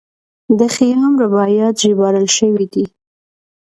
د خیام رباعیات ژباړل شوي دي.